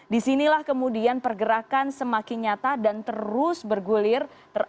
di sinilah kemudian pergerakan semakin nyata dan terus bergulir